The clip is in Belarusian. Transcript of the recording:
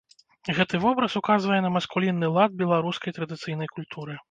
Гэты вобраз указвае на маскулінны лад беларускай традыцыйнай культуры.